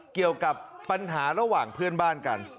เกี่ยวกับปัญหาระหว่างเพื่อนบ้านกัน